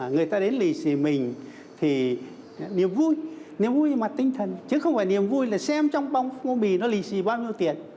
người ta đến lì xì mình thì niềm vui niềm vui mặt tinh thần chứ không phải niềm vui là xem trong bì nó lì xì bao nhiêu tiền